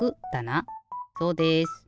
そうです！